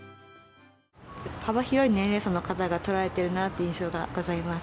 幅広い年齢層の方が取られているなという印象がございます。